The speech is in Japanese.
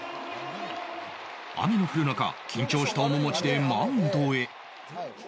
雨の降る中緊張した面持ちでマウンドへ